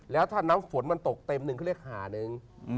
และถ้าน้ำฝนมันตกเต็มนึงก็เรียกหานึง